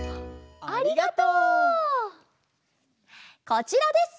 こちらです！